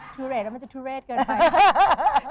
ทุเรทแล้วมันจะทุเรศเกินไป